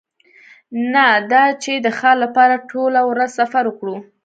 نه دا چې د ښار لپاره ټوله ورځ سفر وکړو